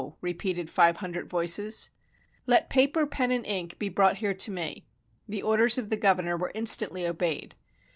repeated five hundred voices. "Let paper, pen, and ink be brought here to me." The orders of the governor were instantly obeyed.